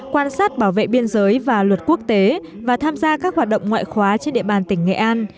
quan sát bảo vệ biên giới và luật quốc tế và tham gia các hoạt động ngoại khóa trên địa bàn tỉnh nghệ an